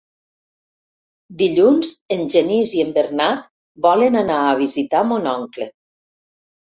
Dilluns en Genís i en Bernat volen anar a visitar mon oncle.